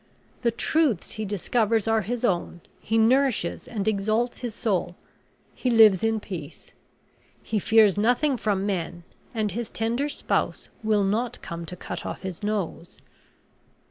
The truths he discovers are his own, he nourishes and exalts his soul; he lives in peace; he fears nothing from men; and his tender spouse will not come to cut off his nose."